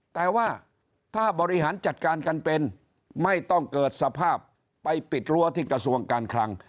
แต่ว่าถ้าบริหารจัดการกันเป็นไม่ต้องเกิดสภาพไปปิดรั้วที่กระทรวงการคลัง